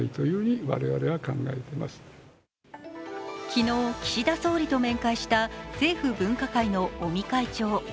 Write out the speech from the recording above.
昨日、岸田総理と面会した政府分科会の尾身会長。